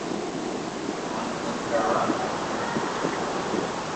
اينو ايم ڪروا